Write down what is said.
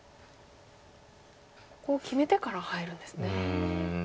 ここを決めてから入るんですね。